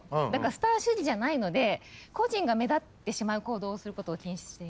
スター主義じゃないので個人が目立ってしまう行動をすることを禁止して。